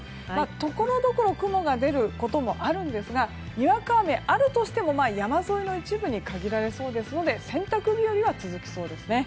ところどころ雲が出ることもありますがにわか雨あるとしても山沿いの一部に限られそうですので洗濯日和は続きそうですね。